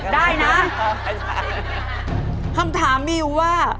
ได้จะ